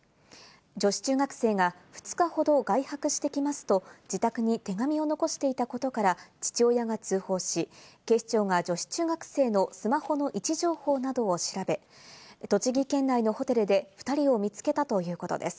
女子中学生が２日ほど外泊してきますと自宅に手紙を残していたことから父親が通報し、警視庁が女子中学生のスマホの位置情報などを調べ、栃木県内のホテルで２人を見つけたということです。